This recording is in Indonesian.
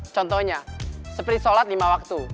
contohnya seperti sholat lima waktu